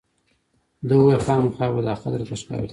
ده وویل خامخا به دا خط راته ښکاره کوې.